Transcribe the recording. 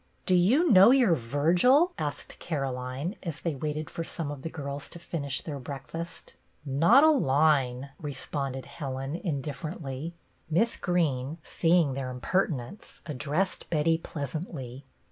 " Do you know your Virgil ?" ask Caro line, as they waited for some of the girls to finish their breakfast. " Not a line," responded Helen, indiffer ently. BETTY BAIRD 58 Miss Greene, seeing their impertinence, addressed Betty pleasantly.